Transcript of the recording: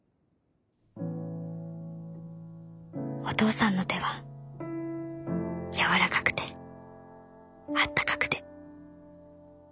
お父さんの手は柔らかくてあったかくて。